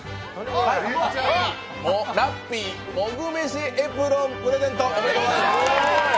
ラッピーモグ飯エプロンプレゼントでございます。